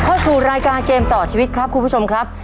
เข้าสู่รายการเกมต่อชีวิตครับคุณผู้ชมครับ